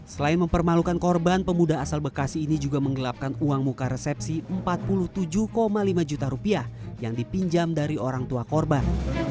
selain mempermalukan korban pemuda asal bekasi ini juga menggelapkan uang muka resepsi empat puluh tujuh lima juta rupiah yang dipinjam dari orang tua korban